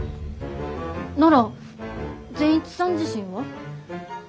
なら善一さん自身は。